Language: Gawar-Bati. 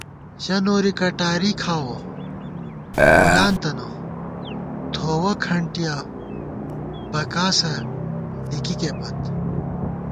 ژہ نوری کٹاری کھاوَہ وولانتَنہ، تھووَہ کھنٹِیَہ بَکاسہ لِکِکےپت